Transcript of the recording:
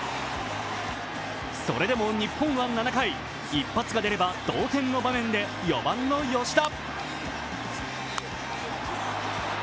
それでも日本は７回一発が出れば同点の場面で４番の吉田。